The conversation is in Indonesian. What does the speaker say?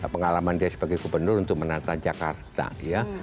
pengalaman dia sebagai gubernur untuk menata jakarta ya